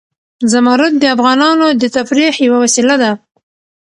زمرد د افغانانو د تفریح یوه وسیله ده.